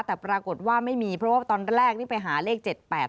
แต่ปรากฏว่าไม่มีเพราะว่าตอนแรกนี่ไปหาเลข๗๘